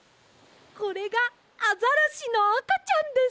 これがアザラシのあかちゃんです。